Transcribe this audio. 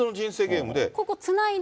ここ、つないで。